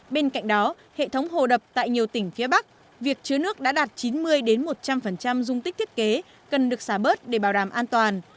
bên cạnh đó hệ thống hồ đập tại nhiều tỉnh phía bắc việc chứa nước đã đạt chín mươi một trăm linh dung tích thiết kế cần được xả bớt để bảo đảm an toàn